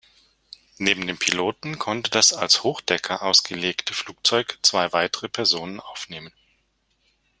Neben dem Piloten konnte das als Hochdecker ausgelegte Flugzeug zwei weitere Personen aufnehmen.